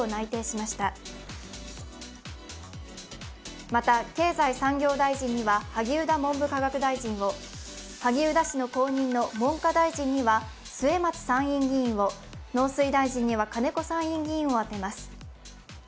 また経済産業大臣には萩生田文部科学大臣を、萩生田氏の後任の文科大臣には末松参院議員を、農水大臣には金子参院議員を充てます。